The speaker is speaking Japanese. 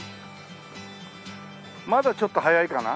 まだちょっと早いかな？